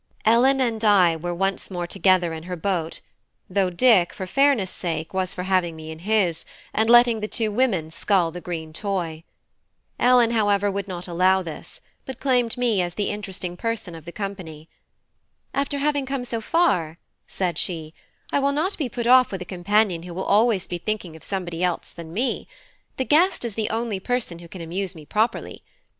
Ellen and I were once more together in her boat, though Dick, for fairness' sake, was for having me in his, and letting the two women scull the green toy. Ellen, however, would not allow this, but claimed me as the interesting person of the company. "After having come so far," said she, "I will not be put off with a companion who will be always thinking of somebody else than me: the guest is the only person who can amuse me properly.